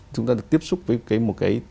chúng ta được tiếp xúc với cái một cái